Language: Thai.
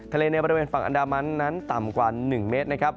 ในบริเวณฝั่งอันดามันนั้นต่ำกว่า๑เมตรนะครับ